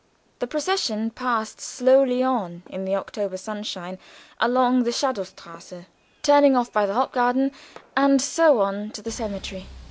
The procession passed slowly on in the October sunshine, along the Schadowstrasse, turning off by the Hofgarten, and so on to the cemetery.